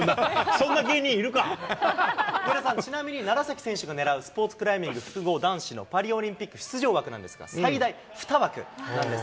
そんな芸上田さん、ちなみに楢崎選手がねらうスポーツクライミング複合の男子のパリオリンピック出場枠なんですが、最大２枠なんです。